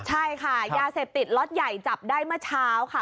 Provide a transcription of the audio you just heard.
ใช่ค่ะยาเสพติดล็อตใหญ่จับได้เมื่อเช้าค่ะ